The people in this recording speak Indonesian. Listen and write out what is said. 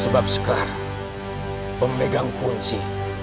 sebab sekar pemegang kunci